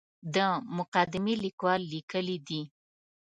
د مقدمې لیکوال لیکلي دي.